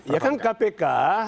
ya kan kpk